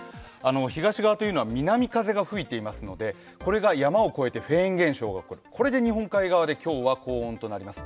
東側というのは南風が吹いていますので、これが山を越えてフェーン現象が起こるこれで日本海側で今日は高温となります。